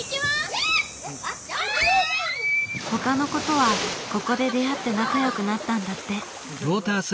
ほかの子とはここで出会って仲よくなったんだって。